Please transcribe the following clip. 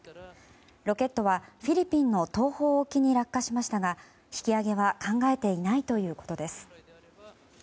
ロケットはフィリピンの東方沖に落下しましたが引き上げは考えていないということです。